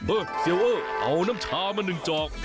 เอ้อเสียวเอ้อเอาน้ำชาวมาหนึ่งจอก